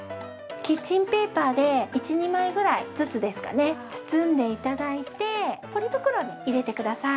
キッチンペーパーで１２枚ぐらいずつですかね包んで頂いてポリ袋に入れてください。